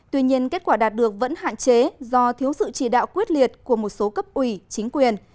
tuy nhiên kết quả đạt được vẫn hạn chế do thiếu sự chỉ đạo quyết liệt của một số cấp ủy chính quyền